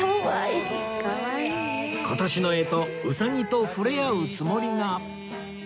今年の干支うさぎと触れ合うつもりが